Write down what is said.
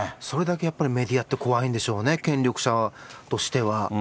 それだけやっぱりメディアって怖いんでしょうね、権力者としては。